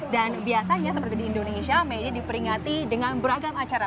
dan biasanya seperti di indonesia may day diperingati dengan beragam acara